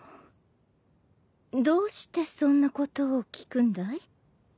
どうしてそんなことを聞くんだい？